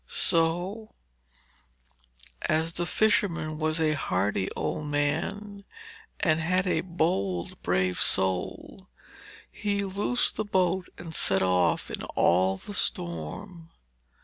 So, as the fisherman was a hardy old man and had a bold, brave soul, he loosed the boat and set off in all the storm.